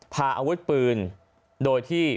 พาอาวุธปืนโดยที่